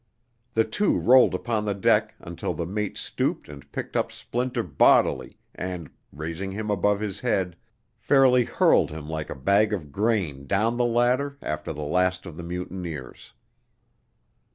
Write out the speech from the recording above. The two rolled upon the deck until the mate stooped and picked up Splinter bodily and, raising him above his head, fairly hurled him like a bag of grain down the ladder after the last of the mutineers.